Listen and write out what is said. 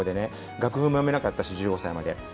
楽譜も読めなかったし１５歳まで。